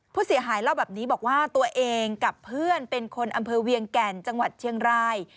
ผู้เสียหายเล่าแบบนี้บอกว่าตัวเองกับเพื่อนเป็นคนอำเภอเวียงแก่นจังหวัดเชียงราย